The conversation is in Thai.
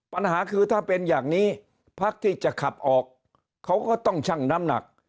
ปัญหาคือถ้าเป็นอย่างนี้พักที่จะขับออกเขาก็ต้องชั่งน้ำหนัก